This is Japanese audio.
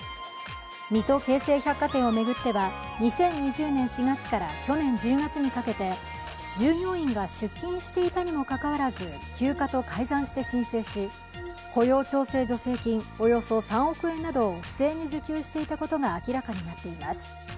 水戸京成百貨店を巡っては、２０２０年４月から去年１０月にかけて、従業員が出勤していたにもかかわらず休暇と改ざんして申請し、雇用調整助成金およそ３億円などを不正に受給していたことが明らかになっています。